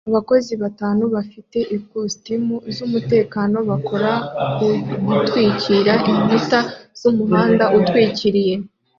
Abakozi batanu bafite ikositimu z'umutekano bakora ku gutwikira inkuta z'umuhanda utwikiriye